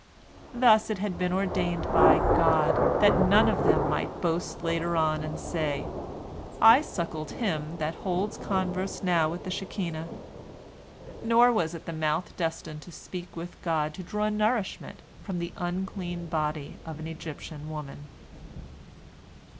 Thus it had been ordained by God, that none of them might boast later on, and say, "I suckled him that holds converse now with the Shekinah." Nor was the mouth destined to speak with God to draw nourishment from the unclean body of an Egyptian woman.